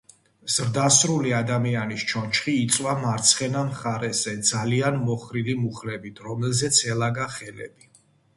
ზრდასრული ადამიანის ჩონჩხი იწვა მარცხენა მხარზე ძალიან მოხრილი მუხლებით, რომელზეც ელაგა ხელები.